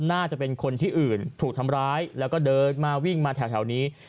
น่าจะเป็นคนที่อื่นถูกทำร้ายแล้วก็เดินมาวิ่งมาแถวนี้